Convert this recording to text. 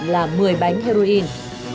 là một mươi bánh heroin